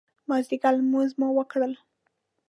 مازدیګر لمونځونه مو وکړل.